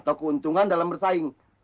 atau keuntungan dalam bersaing